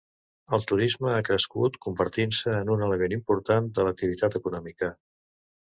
El turisme ha crescut, convertint-se en un element important de l'activitat econòmica.